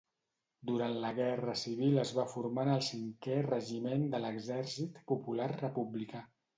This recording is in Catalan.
Durant la Guerra Civil es va formar en el Cinquè Regiment de l'Exèrcit Popular Republicà.